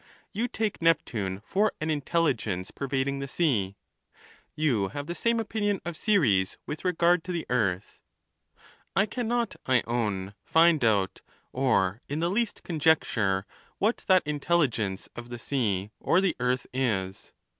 You take Neptune for an intelligence pervading the sea. You have the same opinion of Ceres with regard to the earth. I cannot, I own, find out, or in the least conjecture, what that intelligence of the sea or the earth is.